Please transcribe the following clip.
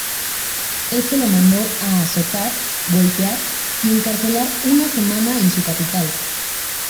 Éste lo mandó a azotar, golpear y encarcelar una semana en su capital.